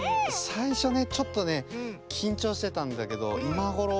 さいしょねちょっとねきんちょうしてたんだけどいまごろ